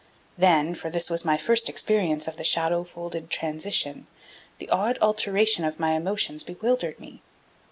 Then, for this was my first experience of the shadow folded transition, the odd alteration of my emotions bewildered me.